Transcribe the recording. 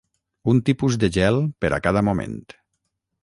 Un tipus de gel per a cada moment